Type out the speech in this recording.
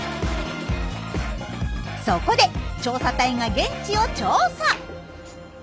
そこで調査隊が現地を調査。